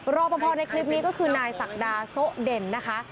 รอปภในคลิปนี้ก็คือนายศักดาโซะเด่นนะคะ